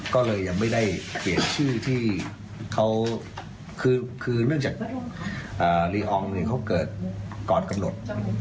ก็เลยยังไม่ได้เปลี่ยนชื่อที่เขาคือคือไม่ต้องจัดอ่านี่เขาเกิดก่อนกำหนด